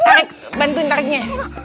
tarik bantuin tariknya